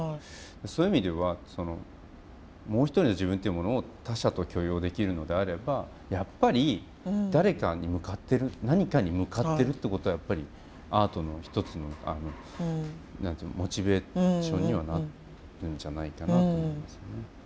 そういう意味ではもう一人の自分っていうものを他者と許容できるのであればやっぱり誰かに向かってる何かに向かってるってことはやっぱりアートの一つの何て言うのモチベーションにはなるんじゃないかなと思います。